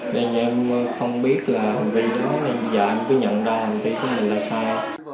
nên em không biết là hành vi thế này giờ em cứ nhận ra hành vi thế này là sao